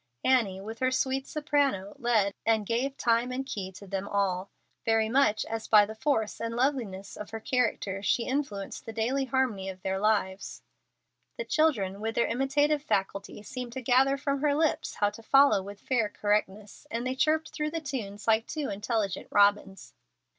Annie, with her sweet soprano, led, and gave time and key to them all, very much as by the force and loveliness of her character she influenced the daily harmony of their lives. The children, with their imitative faculty, seemed to gather from her lips how to follow with fair correctness, and they chirped through the tunes like two intelligent robins.